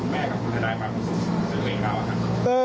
อยากจะบอกอะไรบ้างทำไมสมมุติความเชื่อมันในเรื่องนี้